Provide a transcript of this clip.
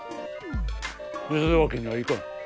ゆずるわけにはいかん！